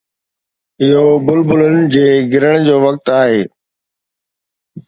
اهو بلبلن جي گرڻ جو وقت آهي